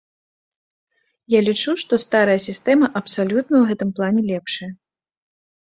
Я лічу, што старая сістэма абсалютна ў гэтым плане лепшая.